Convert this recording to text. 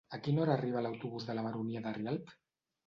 A quina hora arriba l'autobús de la Baronia de Rialb?